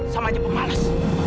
sama aja pemalas